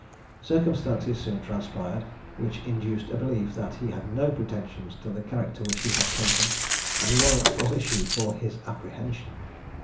Circumstances soon transpired, which induced a belief that he had no pretensions to the character which he had taken, and a warrant was issued for his apprehension.